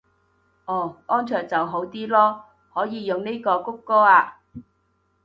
哦安卓就好啲囉，可以用呢個穀歌啊